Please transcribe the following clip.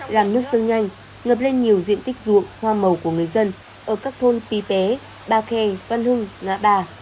làm nước dâng nhanh ngập lên nhiều diện tích ruộng hoa màu của người dân ở các thôn phi pé ba khe văn hưng ngã bà